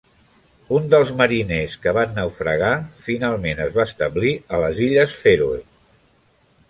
Un dels mariners que van naufragar finalment es va establir a les illes Fèroe.